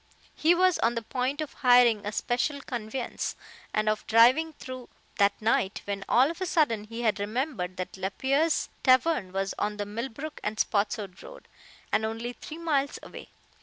He was on the point of hiring a special conveyance, and of driving through that night, when all of a sudden he had remembered that Lapierre's tavern was on the Millbrook and Spotswood road, and only three miles away.